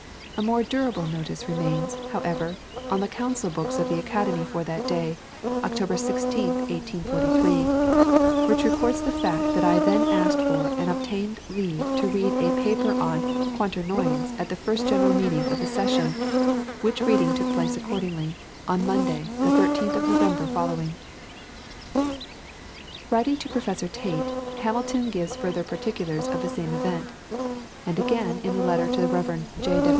A more durable notice remains, however, on the Council Books of the Academy for that day (October 16, 1843), which records the fact that I then asked for and obtained leave to read a Paper on 'Quaternions,' at the First General Meeting of the Session; which reading took place accordingly, on Monday, the 13th of November following." Writing to Professor Tait, Hamilton gives further particulars of the same event. And again in a letter to the Rev. J.